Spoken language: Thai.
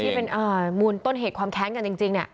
นี่เป็นมูลต้นเหตุความแค้นกันจริงเนี่ย